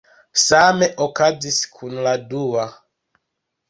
Same okazis kun la dua.